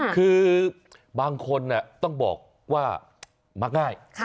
คือบางคนต้องบอกว่ามักง่าย